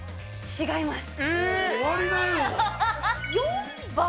違います。